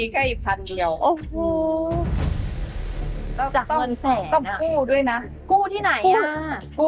ขายได้ก็เป็นความ